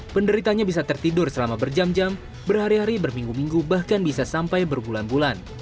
penderitanya bisa tertidur selama berjam jam berhari hari berminggu minggu bahkan bisa sampai berbulan bulan